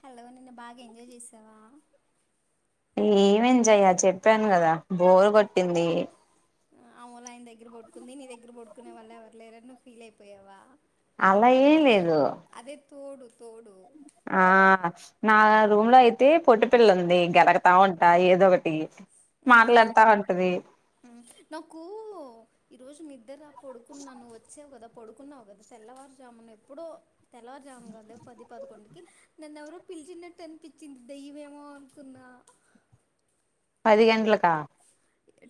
Hello నిన్న బాగా enjoy చేసావా ఏం ఎంజయ్యా చెప్పాను గదా బోర్ గొట్టింది అవునా ఆయన దగ్గర బడుకుంది నీ దగ్గర పడుకునే వాళ్ళు ఎవరులేరని నువ్ ఫీల్ అయిపోయావా అలా ఏం లేదు అదే తోడు తోడు ఆ నా రూమ్ లో అయితే పొట్టి పిల్ల ఉంది గెలుకుత ఉంటా ఏదో ఒకటి మ్ మాట్లాడుతా ఉంటది మ్ నాకు ఈరోజు నిద్దర్ పడుకున్నా నువ్ వచ్చవ్ గదా పడుకున్నావ్ గదా తెల్లవారుజామున ఎప్పుడో తెల్లవారుజామున గాద్ లే పది పదకొండుకి నాన్నేవరో పి పిలిచన్నట్టు అనిపించింది దయ్యావేమొ అనుకున్నా పది గంట్లకా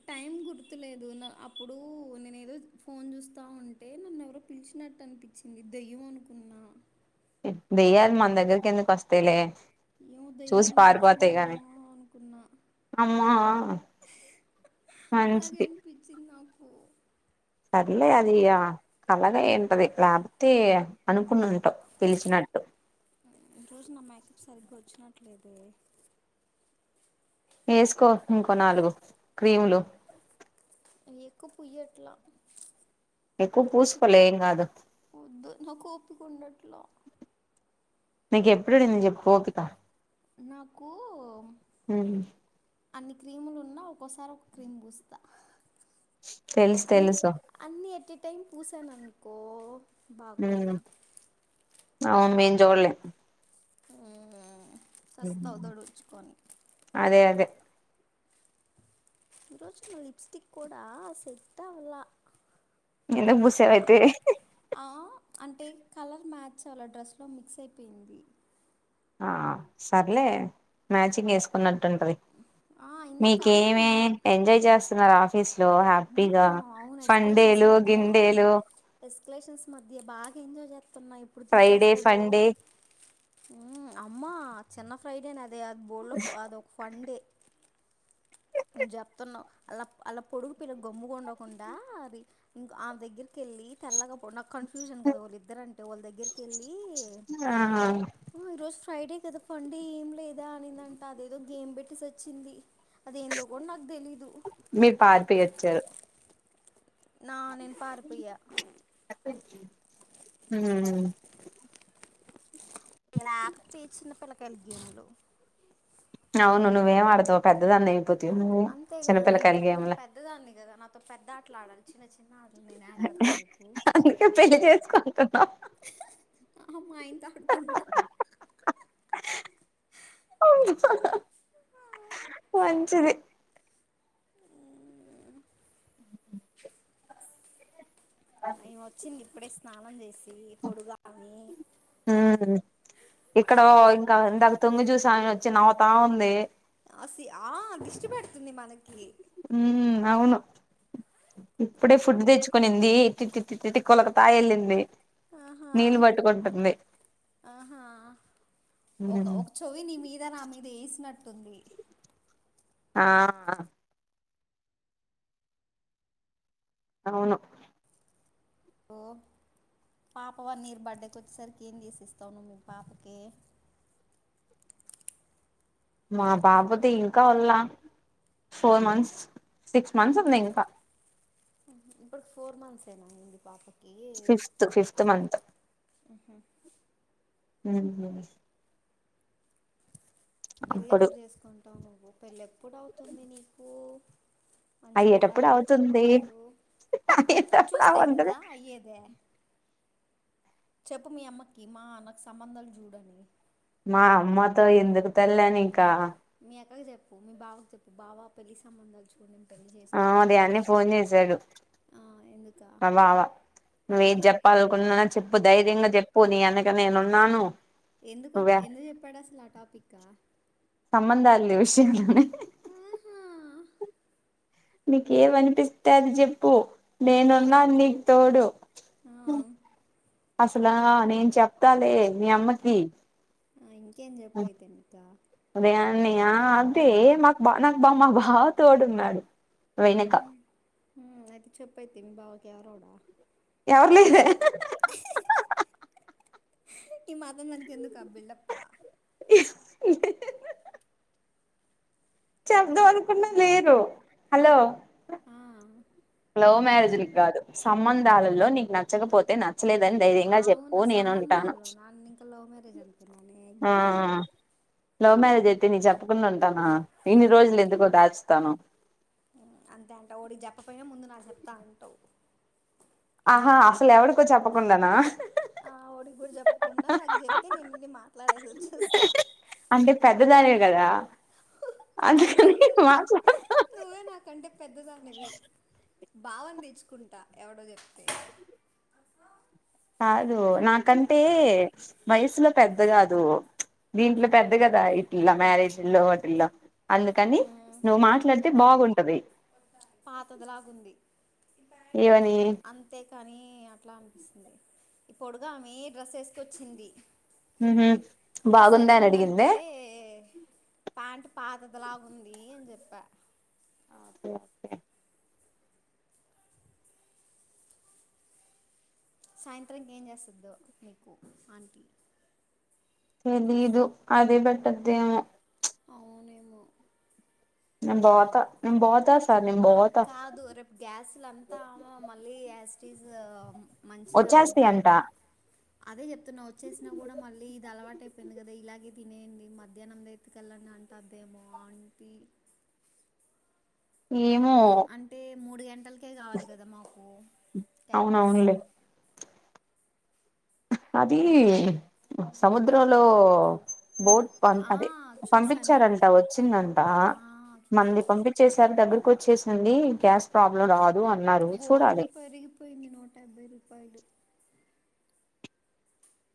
టైం గుర్తులేదు న అప్పుడు నేన్ ఏదో ఫోన్ జుస్తా ఉంటే నన్నేవరో పి పీల్చినట్టనిపించింది దయ్యం అనుకున్నా దయ్యాలు మన దగ్గర్కి ఎందుకోస్తాయిలే ఏమొ దయ్యం నన్ను పిలిచిందేమొ అనుకున్నా అమ్మా అలాగే మంచిది అనిపించిన్ నాకు సర్లే అది ఇగ కలనే అయుంటది లేపోతే అనుకునుంటావ్ పిలిచినట్ ట్టు ఇ రోజు నా మేకప్ సరిగ్గా ఓచ్చినట్లేదు ఏసుకో ఇంకో నాలుగు క్రీములు ఎక్కువ పుయ్యట్ల ఎక్కువ ఓపిక్ పూసుకోలే ఏం కాదు వద్దు నాక్ ఓపికుండట్లా నీక్ ఎప్పుడుండింది జెప్పు ఓపిక నాకూ మ్ అన్ని క్రీములున్నా ఒక్కోసారి ఒక క్రీమ్ పూస్తా తెలుస్ తెలుసు టైమ్ పూసాననుకో బాగోదు ఔన్ మేం జూడ్లే చస్తావు మ్ దొడుచుకొని అదే అదే ఈ రోజు నా లిప్స్టిక్ కూడా సేట్ అవ్వలా ఎందుకు పూసవైతే ఆహ్ అంటే కలర్ మ్యాచ్ అవలె డ్రెస్లో మిక్స్ అయిపోయింది ఆహ్ సర్లే మ్యాచింగ్ ఏసుకున్నట్ టు ఉంటది ఆ! ఇందాక నీక్కేమి మ్, ఎంజాయ్ జేసున్నారు అఫ్ పిస్ లో హ్యాపీగా అవును. అవును. సండేలు గిండెలు రిలేషన్స్ మధ్య బాగా ఎంజాయ్ చేస్తున్నా ఎప్పుడు ఫ్రైడే తీసేస్తాడో ఫండే మ్ అమ్మా చిన్న ఫ్రైడే నా అదే అది బోలో అదొ ఫండే నువ్ చెప్తున్నావ్ అలా అలా పొడుగు పిల్ల గొమ్ముగుండకుండా అది ఇంక్ ఆమే దగ్గరికే ళ్ళి తెల్లాగా నాకు కన్ఫ్యూషన్ కదా వాళ్ళిద్దరు అంటే వాళ్ళ దగ్గరికి వెళ్ళి ఆ ఈరోజు ఫ్రైడే కదా ఫండ్ ఏం లేదా అనిందంట అదేదో గేమ్ పెట్టటిసి సచ్చింది అదేందో కూడా నాకు తెలీదు మీరు పారిపోయొచ్చారు నా నేను పారిపోయా. ఉమ్ ఇలాకతే చిన్నపిల్లకాయలు గేములు అవును నువ్వేం ఆడతావ్ పెద్దదన్నపో అంతే కదా నేను నేను పెద్దదాన్ని కదా నాతో పెద్ద ఆటలు ఆడాలి చిన్న చిన్న ఆటలు నేను యాడ ఆడతా చెప్పు. అందుకే పెళ్లి చేసుకుంటున్నా ఆహ మ అయ్యనతో ఆడుకుంట మంచిది ఏయమ వచ్చింది ఇప్పుడే స్నానం చేసి పొడుగానమే ఉ ఎక్కడో ఇంకా ఇందాక తొంగి చూసే ఆమె వచ్చి నవ్వుతా ఉంది అ సి ఆ దృష్టి పెడుతుంది మనకి ఉ అవును ఇప్పుడే ఫుడ్ తెచ్చుకనింది ఎ తిటిటుకులక తాయలింది ఆహా ఆహా ఒక ఒక చవి నీ మీద నా మీద వేసినట్టుంది ఆ అవును ఓ పాప వన్ ఇర్ బర్త్డేకి వచ్చేసరికి ఏం చేసి ఇస్తావు నువ్వు పాపకే మా పాపది ఇంకా వల్ళ ఫోర్ మంత్స్ సిక్స్ మంత్స్ ఉంది ఇంకా ఇప్పుడు ఫోర్ మంత్స్ ఏనా అయ్యింది పాపకి ఫిఫ్త్ ఫిఫ్త్ మంత్ ఉహు ఉ పెళ్లి అప్పుడు ఎప్పుడు చేసుకుంటావు నువ్వు పెళ్లి ఎప్పుడు అవుతుంది నీకు మంచి పిల్లాడు అయ్యేటప్పుడు యాడ అవుతుంది దొరుకుతాడు అయ్యేటప్పుడు చూస్తే అవ్వదులే కదా అయ్యేదే చెప్పు మీ అమ్మకి మా నాకు సంబంధాలు చూడని మా అమ్మతో ఎందుకు తల్లే నీకు మీ అక్కకి చెప్పు మీ బావకు చెప్పు బావ పెళ్లి సంబంధాలు చూడు పెళ్లి ఆ చేసుకుంటాను ఉదయాన్నే ఫోన్ చేసాడు ఆ ఎందుక నువ్వేం చెప్పాలకున్నా చెప్పు ధైర్యంగా చెప్పు నీ ఎనక నేనున్నాను ఎందుకు నువ్వే ఎందుకు చెప్పాడు అసలు ఆ టాపిక్ అ విషయ ఆహా మీకు ఏం అనిపిస్తే అది చెప్పు ఆ, నేనున్నాను నీకు తోడు ఆ, అసలా నేను చెప్తాలే మీ అమ్మకి ఇకెంది చెపైతేమీకా అన్న్య అదే మాకు బా నాకు మా బావ తోడున్నాడు వెనుక మ్ అయితే చెపైతే మీ బావాకి ఎవరో గుడా ఎవరు లేరే ఈ మాత్రం దానికి ఎందుకు ఆ బిల్డప్ప చెప్తాం అనుకున్న లేరు హలో లవ్ మ్యారేజ్ లక్ గాదు సంబంధాలలో నీకు నచ్చకపోతే న చ్చలేదని ధైర్యంగా జెప్పు అవునా నేను ఉంటాను సంబంధాల్లో నన్ను ఇంకా లవ్ మ్యారేజ్ అనుకున్నానే ఆ అయ్యో లవ్ మ్యారేజ్ అయితే ని చేప్పకుండా ఉంటానా ఇన్ని రోజులు ఎందుకు దాచుతాను తాంటవ్ ఆహా అసలు ఎవడికో చెప్పకుండానా ఆ ఎవడిగుడా చేప్పకుండా నాకు చెప్తే నినెల్లి మాట్లాడేసి ఒచ్చేస్తా అంటే పెద్దదానివి కదా అందుకని పగులుద్ది మాట్లాడ్తా నువ్వే నాకంటే పెద్దదానివి బావని తీచ్చుకుంటా ఎవడో చెప్తే కాదు నాకంటే వయసులో పెద్ద గాదు దీంట్లో పెద్ద గదా ఇట్ల మ్యారేజు ల్లో వాటిల్లో అందుకని నువ్వు మాట్లాడితే బాగుంటది పాతది లాగుంది ఏవని అంతేకాని అట్లా అ ఇ పొడుగమే డ్రెసేసుకొచ్చింది మ్ హు బాగుంద అని అడిగింద ప్యాంటు పాతదిలాగుంది అని చేప్పా ఓకే ఒకె సాయంత్రంకి ఏం చేస్తుందో మీకు ఆంటీ తెలిదు అదే పెట్టిద్దేమొ అవునేమొ నేమ్ బోత నేమ్ బోత సర్ కాదు రేపు గ్యాస్లు అంతా ఆమె మళ్ళీ ఆసిటీస్ వొచ్చేస్తయంట అదే చెప్తున్నా వచ్చేసినా గుడా మళ్ళీ ఇది అలవాటైంపోయింది గదా ఇలాగే తినేయండి మధ్యాహ్నం బైటికెళ్లండి ఆన్ అంటదేమొ ఆంటీ ఏమొ అంటే మూడు గంటలకె గావాలి గదా మాకు క్యారేజ్ అవునవునులే అది సముద్రం లో బోట్ పం ఆ, అదే చూసా నేను పంపించారంట వొచ్చిందంట ఆ, చూసా మంది చూసా పంపిచ్చేసారు దగ్గరకోచ్చేసింది గ్యాస్ ప్రాబ్లం రాద్ గోల్డ్ పెరిగిపోయింది నూట యాభై రూపాయలు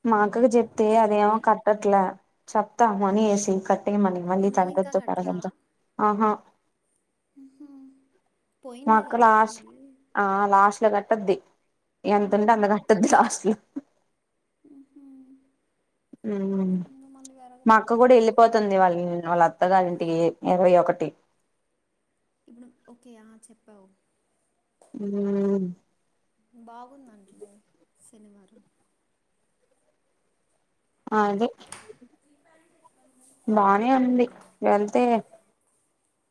మా అక్కకి జెప్తే అదేమొ కట్టట్లే చెప్తా మనీ ఏసీ కట్ ట్టేయ్యమని ఈ మళ్ళీ నెల ఇంకా తగ్గుద్దో గట్లా పెరుగుద్దో ఆహా ఉహు. పోయిన మా నెల అక్క లాస్ కట్టింది ఆ లాస్ట్ లో కట్టుద్ది ఎంతుంటే ఉహు, అంత కట్టుద్ది లాస్ట్ లో ఉహు. మ్ ఇంకా మళ్ళీ మా వెరగతా అక్క గుడా ఉంది వెళ్ళిపోతుంది ఈ వాలా ఈవినింగ్ వాళ్ళ అత్తగారి ఇంటికి ఇరవై ఒకటి ఇప్పుడు ఓకే ఆ చెప్పావు హు మ్ బాగుందంటనే శనివారం అదే బానే ఉంది వెళ్తే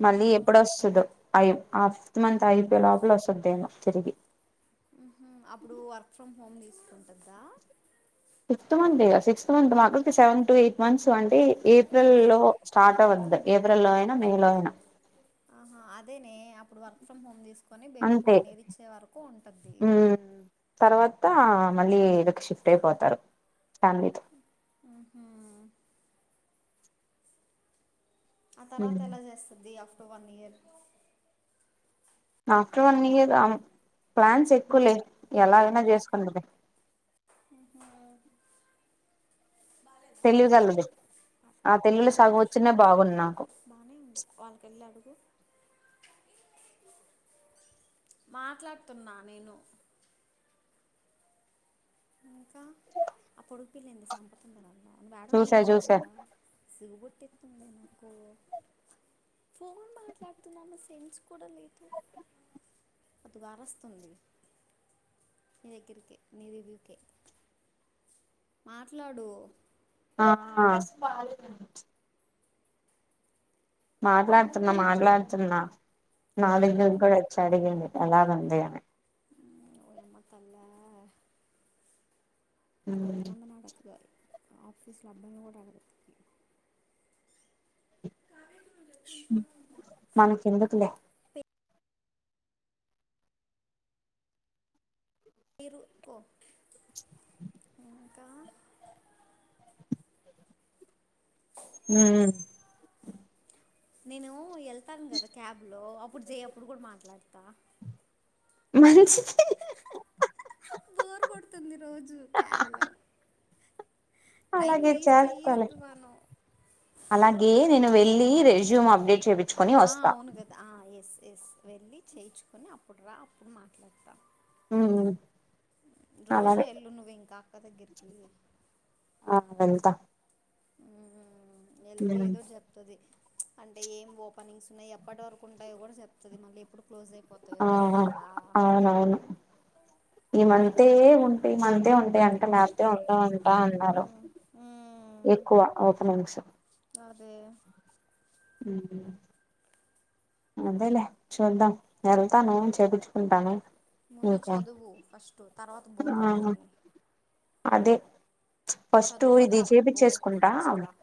మళ్ళీ ఎప్పుడొస్తదో అయో ఆ ఫిఫ్త్ మంత్ అయిపో లోపల వొస్తుద్దేమో తిరిగి ఉహు అప్పుడు వర్క్ ఫ్రమ్ హోమ్ తీసుకుంటదా ఫిఫ్త్ మంత్ ఇగ సిక్స్త్ మంత్ మా అక్కకి సెవెన్ టు ఎయిట్ మంత్స్ అంటే ఏ ఏప్రిల్ లో స్టార్ట్ అవ్వదు ఏ ఆహా అదేనే అప్పుడు వర్క్ ఫ్రమ్ హోమ్ తీస్ కని బేబీకి అంతే వన్ ఇయర్ ఇచ్చే వరకు ఉంటుంది త మళ్ళీ ఇడికి షిఫ్ట్ టైపోతారు ఆహ ఆ తర్వాత ఎలా చేస్తుది after one year after one year plans ఎక్కువలే ఎలాగైనా చేసుకుంటది ఆహ తెలివిగలది ఆ తెలివిలో సగం యావరేజ్ వచ్చిన బాగుండు నాకు బానే ఉంది వాళ్ళకెళ్ళి అడుగు మాట్లాడుతున్నా నేను ఇంకా ఆ పొడుగు పిల్లంది సంపుతుంది నను నువ్వేడన్నవు చూసా రూమ్ లో చూసా ఉన్నావా సిగుబొట్టి నాకు ఫోన్ మాట్లాడుతున్నాము సెట్స్ కూడా లేదు అతువార్ వస్తుంది ని దెగ్గరకే నీదేగ్గరికే మాట్లాడు ఆ ఆ మాట్లాడుతున్నా మాట్లాడుతున్నా నా దగ్గరికి కూడా వచ్చి అడిగింది ఎలా ఉంది అని ఏమో తలా ఎంతమంది నాడుగుతదొ ఆఫీసులో అబ్బాయిలను కూడా అడుగుద్ది మనకి ఎందుకులే మీరుకో ఉమ్ నేను వెళ్తాను కదా క్యాబ్ లో అప్పుడు చెయ్యప్పుడు కూడా మాట్లాడతా మంచిది బోర్ కొడుతుంది రోజు క్యాబ్ లో అలాగే చేస్తాలే అలాగే నేను వె ళ్ళి రెజ్యూమ్ అప్డేట్ చెపి ఆ అవును కదా ఆ ఎస్ ఎస్ వెళ్ళి చేయించుకుని అప్పుడు రా అప్పుడు మాట్లాడతా ఉమ్ ఉమ్ రోజు ఎల్లు నువ్వు ఇంకా అక్క దగ్గరికి ఆ వెళ్తా మ్మ్. వెళ్తే మ్మ్ ఏదో చెప్తుది అంటే ఏం ఓపెనింగ్స్ ఉన్నాయి ఎప్పటి వరకు ఉంటాయో కూడా చెప్తది మళ్ళీ ఎప్పుడు క్లోజ్ అయిపోతాయో ఆ తెలియదు కదా ఆ అవునవును ఈమంతే ఉంటే ఈ మంతే ఉం అ అంటే మంతే ఉంటాం అంట అన్నారు మ్మ్. ఎక్కువ ఓపెనింగ్స్ వే ఉమ్ అదేలే చూద్దాం వెళ్తాను చేపించుకుంటాను ముందు చదువు ఫస్ట్ తర్వాత ఆ బోదువుగాని అదే ఫస్ట్ చదువుకొనే ఇది అప్పుడు చూపి బో చేసుకుంటా మంచిగా